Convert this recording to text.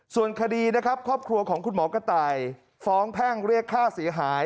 ส่วนคดีนะครับครอบครัวของคุณหมอกระต่ายฟ้องแพ่งเรียกค่าเสียหาย